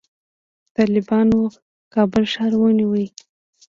طالبانو کابل ښار ونیو